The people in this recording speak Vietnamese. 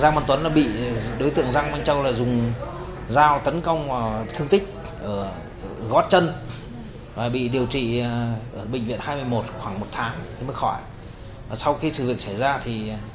giang văn tuấn đã từng bị nạn nhân châu dùng dao chém gây thương tích ở chân trái và có phải điều trị